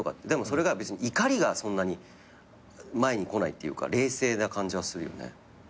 でもそれが怒りがそんなに前に来ないっていうか冷静な感じがするよね。